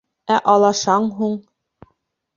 — Ә алашаң һуң?